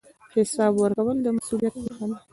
حساب ورکول د مسوولیت نښه ده